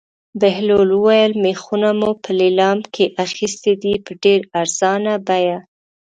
بهلول وویل: مېخونه مو په لېلام کې اخیستي دي په ډېره ارزانه بیه.